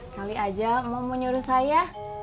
kali aja emang mau nyuruh saya